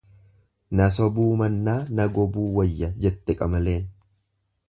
Na sobuu mannaa na gobuu wayya jette qamaleen.